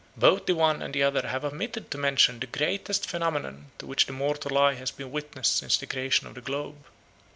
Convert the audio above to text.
197 Both the one and the other have omitted to mention the greatest phenomenon to which the mortal eye has been witness since the creation of the globe.